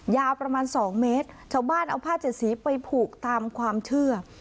ยาวประมาณ๒เมตรชาวบ้านเอาผ้าเจ็ดสีไปผูกตามความเชื่อ